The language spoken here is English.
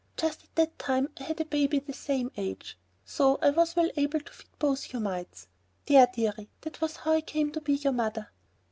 Just at that time I had a baby the same age. So I was well able to feed both you two mites. There, dearie, that was how I came to be your mother."